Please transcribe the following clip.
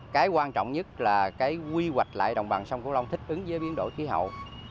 cái quan trọng nhất là cái quy hoạch lại đồng bằng sông cổ long thích ứng với biến đổi khí hậu